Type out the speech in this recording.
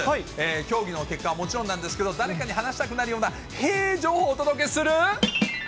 競技の結果はもちろんなんですけど、誰かに話したくなるようなへえ情報をお届けする。